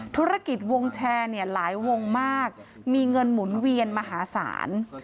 ธุรกิจวงแชร์เนี่ยหลายวงมากมีเงินหมุนเวียนมหาศาล